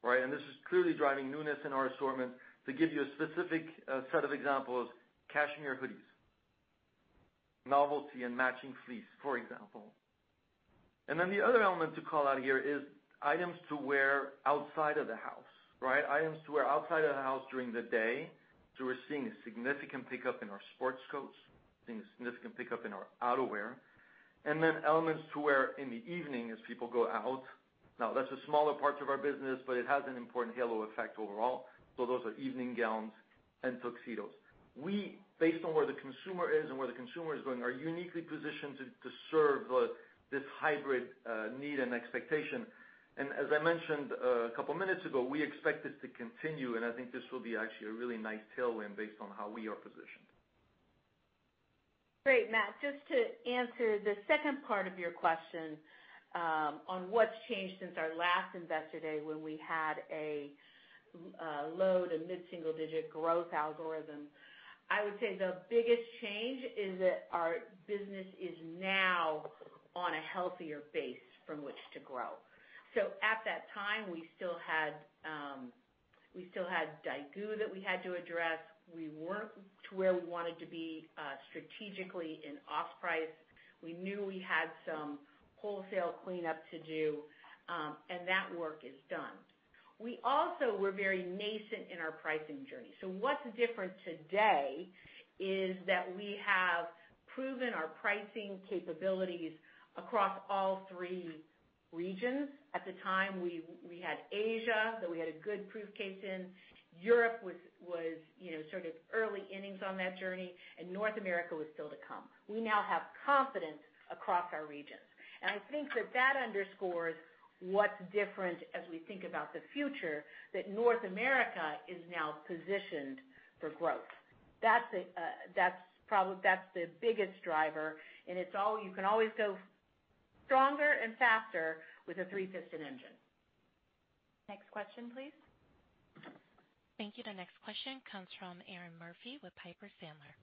right? This is clearly driving newness in our assortment to give you a specific set of examples, cashmere hoodies, novelty and matching fleece, for example. Then the other element to call out here is items to wear outside of the house during the day, right? We're seeing a significant pickup in our sports coats, seeing a significant pickup in our outerwear. Elements to wear in the evening as people go out. Now, that's a smaller part of our business, but it has an important halo effect overall. Those are evening gowns and tuxedos. We, based on where the consumer is and where the consumer is going, are uniquely positioned to serve this hybrid need and expectation. As I mentioned a couple minutes ago, we expect this to continue, and I think this will be actually a really nice tailwind based on how we are positioned. Great, Matt. Just to answer the second part of your question, on what's changed since our last Investor Day when we had a low- to mid-single-digit growth algorithm, I would say the biggest change is that our business is now on a healthier base from which to grow. At that time, we still had daigou that we had to address. We weren't to where we wanted to be strategically in off-price. We knew we had some wholesale cleanup to do, and that work is done. We also were very nascent in our pricing journey. What's different today is that we have proven our pricing capabilities across all three regions. At the time, we had Asia that we had a good proof case in. Europe was, you know, sort of early innings on that journey, and North America was still to come. We now have confidence across our regions. I think that underscores what's different as we think about the future, that North America is now positioned for growth. That's the biggest driver, and it's all you can always go stronger and faster with a three-piston engine. Next question please. Thank you. The next question comes from Erinn Murphy with Piper Sandler.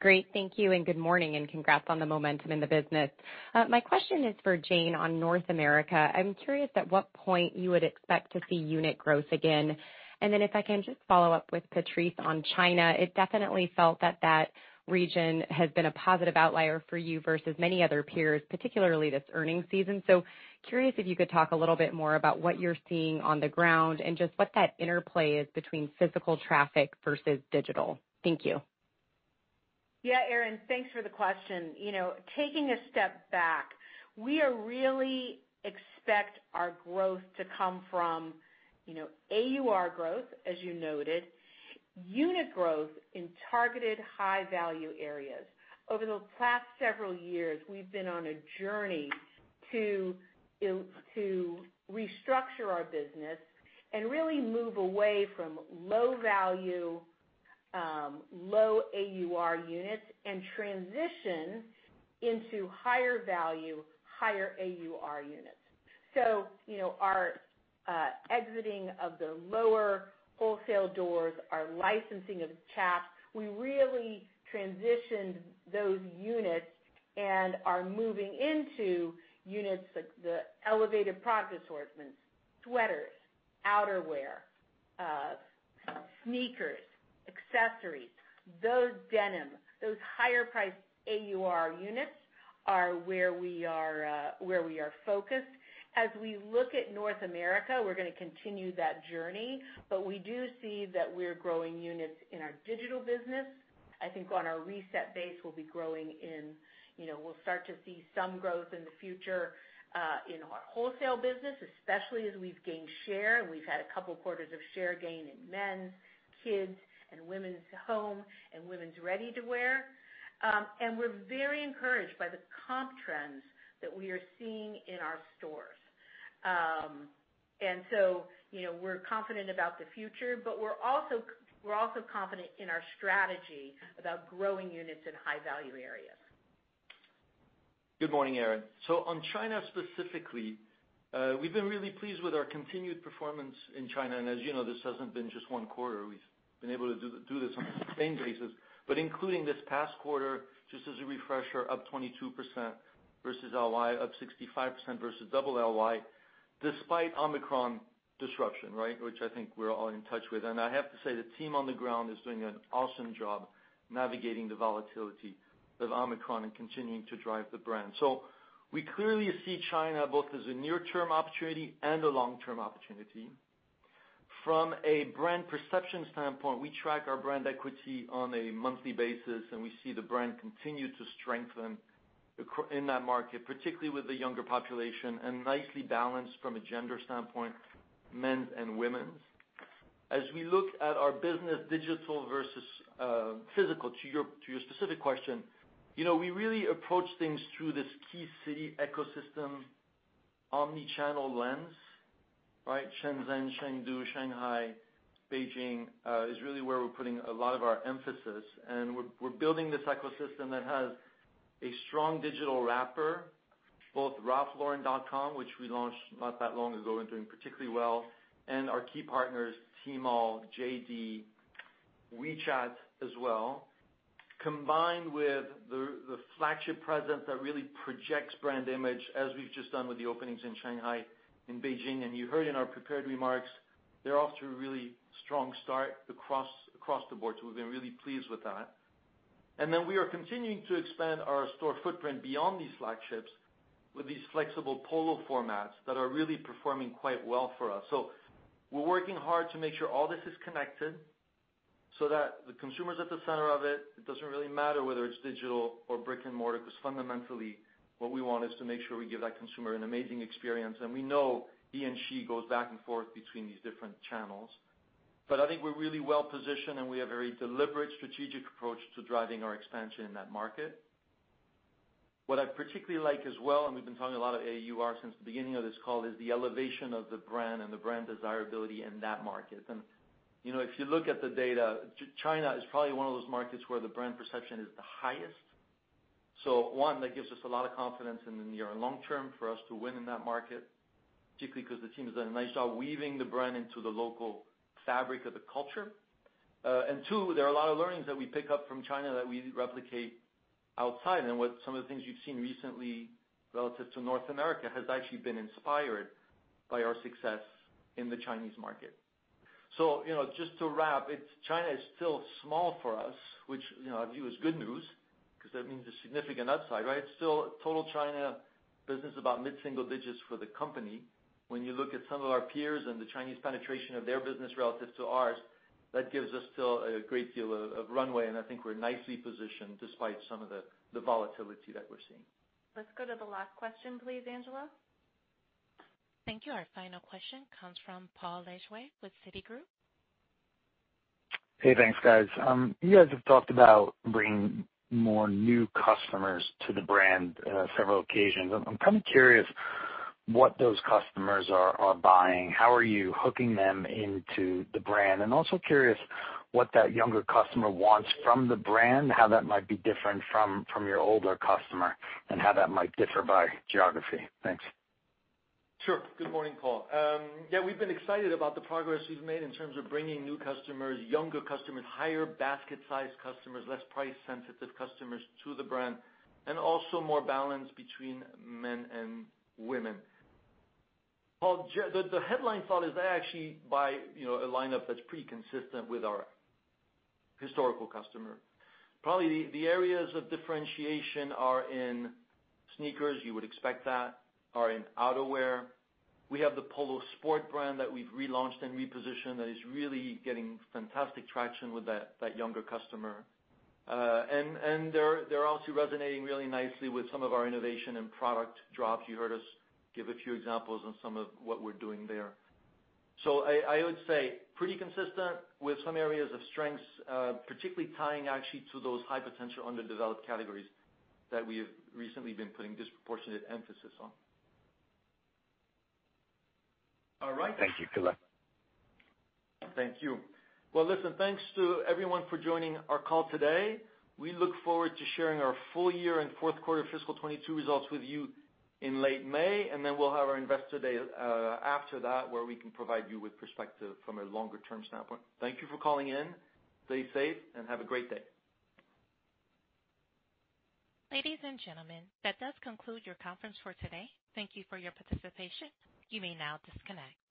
Great, thank you, and good morning, and congrats on the momentum in the business. My question is for Jane on North America. I'm curious at what point you would expect to see unit growth again. If I can just follow up with Patrice on China. It definitely felt that region has been a positive outlier for you versus many other peers, particularly this earnings season. Curious if you could talk a little bit more about what you're seeing on the ground and just what that interplay is between physical traffic versus digital. Thank you. Yeah, Erinn, thanks for the question. You know, taking a step back, we really expect our growth to come from, you know, AUR growth, as you noted. Unit growth in targeted high value areas. Over the past several years, we've been on a journey to restructure our business and really move away from low value, low AUR units and transition into higher value, higher AUR units. You know, our exiting of the lower wholesale doors, our licensing of Chaps, we really transitioned those units and are moving into units like the elevated product assortments, sweaters, outerwear, sneakers, accessories, that denim. Those higher priced AUR units are where we are focused. As we look at North America, we're going to continue that journey, but we do see that we're growing units in our digital business. I think on our reset base, we'll be growing in, you know, we'll start to see some growth in the future in our wholesale business, especially as we've gained share, and we've had a couple of quarters of share gain in men's, kids, and women's home, and women's ready-to-wear. We're very encouraged by the comp trends that we are seeing in our stores. You know, we're confident about the future, but we're also confident in our strategy about growing units in high value areas. Good morning, Erinn. In China specifically, we've been really pleased with our continued performance in China. As you know, this hasn't been just one quarter. We've been able to do this on a sustained basis. Including this past quarter, just as a refresher, up 22% versus LY, up 65% versus double LY, despite Omicron disruption, right? Which I think we're all in touch with. I have to say, the team on the ground is doing an awesome job navigating the volatility of Omicron and continuing to drive the brand. We clearly see China both as a near term opportunity and a long-term opportunity. From a brand perception standpoint, we track our brand equity on a monthly basis, and we see the brand continue to strengthen in that market, particularly with the younger population, and nicely balanced from a gender standpoint, men's and women's. As we look at our business digital versus physical, to your specific question, you know, we really approach things through this key city ecosystem, omni-channel lens, right? Shenzhen, Chengdu, Shanghai, Beijing is really where we're putting a lot of our emphasis. We're building this ecosystem that has a strong digital wrapper, both ralphlauren.com, which we launched not that long ago and doing particularly well, and our key partners, Tmall, JD.com, WeChat as well, combined with the flagship presence that really projects brand image as we've just done with the openings in Shanghai and Beijing. You heard in our prepared remarks, they're off to a really strong start across the board, so we've been really pleased with that. We are continuing to expand our store footprint beyond these flagships with these flexible Polo formats that are really performing quite well for us. We're working hard to make sure all this is connected so that the consumer's at the center of it. It doesn't really matter whether it's digital or brick-and-mortar, because fundamentally, what we want is to make sure we give that consumer an amazing experience. We know he and she goes back and forth between these different channels. I think we're really well-positioned, and we have a very deliberate strategic approach to driving our expansion in that market. What I particularly like as well, and we've been talking a lot at AUR since the beginning of this call, is the elevation of the brand and the brand desirability in that market. You know, if you look at the data, China is probably one of those markets where the brand perception is the highest. One, that gives us a lot of confidence in the near and long term for us to win in that market, particularly because the team has done a nice job weaving the brand into the local fabric of the culture. Two, there are a lot of learnings that we pick up from China that we replicate outside. What some of the things you've seen recently relative to North America has actually been inspired by our success in the Chinese market. Just to wrap, China is still small for us, which, you know, I view as good news because that means a significant upside, right? Still total China business about mid-single digits for the company. When you look at some of our peers and the Chinese penetration of their business relative to ours, that gives us still a great deal of runway, and I think we're nicely positioned despite some of the volatility that we're seeing. Let's go to the last question, please, Angela. Thank you. Our final question comes from Paul Lejuez with Citigroup. Hey, thanks, guys. You guys have talked about bringing more new customers to the brand several occasions. I'm kind of curious what those customers are buying. How are you hooking them into the brand? Also, curious what that younger customer wants from the brand, how that might be different from your older customer, and how that might differ by geography. Thanks. Sure. Good morning, Paul. Yeah, we've been excited about the progress we've made in terms of bringing new customers, younger customers, higher basket size customers, less price sensitive customers to the brand, and also more balance between men and women. Paul, the headline thought is they actually buy, you know, a lineup that's pretty consistent with our historical customer. Probably the areas of differentiation are in sneakers, you would expect that, are in outerwear. We have the Polo Sport brand that we've relaunched and repositioned that is really getting fantastic traction with that younger customer. And they're also resonating really nicely with some of our innovation and product drops. You heard us give a few examples on some of what we're doing there. I would say pretty consistent with some areas of strengths, particularly tying actually to those high potential underdeveloped categories that we have recently been putting disproportionate emphasis on. All right. Thank you. Good luck. Thank you. Well, listen, thanks to everyone for joining our call today. We look forward to sharing our full year and Q4 fiscal 2022 results with you in late May, and then we'll have our investor day after that, where we can provide you with perspective from a longer-term standpoint. Thank you for calling in. Stay safe and have a great day. Ladies and gentlemen, that does conclude your conference for today. Thank you for your participation. You may now disconnect.